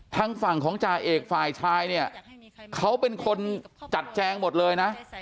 ทางฝั่งของจ่าเอกฝ่ายชายเนี่ยเขาเป็นคนจัดแจงหมดเลยนะ